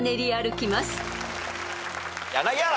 柳原。